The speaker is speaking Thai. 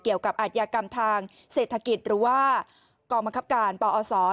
เกี่ยวกับอาทยากรรมทางเศรษฐกิจหรือว่ากรมคับการปอส